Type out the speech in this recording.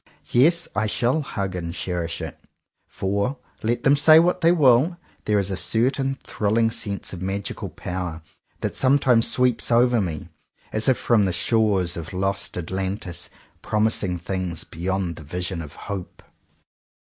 Yes, I shall hug and cherish it; for, let them say what they will, there is a certain thrilling sense of magical power that sometimes sweeps over me, as if from the shores of Lost Atlantis, promising things beyond the vision of hope.